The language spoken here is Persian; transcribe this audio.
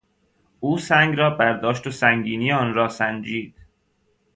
او سنگ را برداشت و سنگینی آن را سنجید.